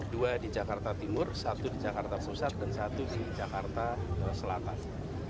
dua di jakarta timur satu di jakarta pusat dan satu di jakarta selatan